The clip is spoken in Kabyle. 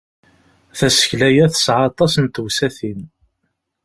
Tasekla-ya tesɛa aṭas n tewsatin.